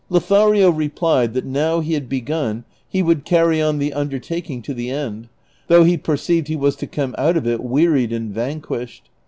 Lothario replied that now he had begun he would cany on the undertaking to the end, though he perceived he was to come out of it wearied and vanquished.